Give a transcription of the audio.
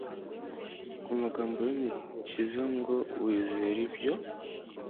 Ku magambo y'Umukiza ngo: «wizera ibyo?»